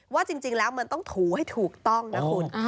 ว่าจริงแล้วมันต้องถูให้ถูกต้องนะคุณ